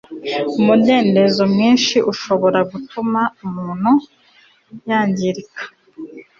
umudendezo mwinshi urashobora gutuma umuntu yangirika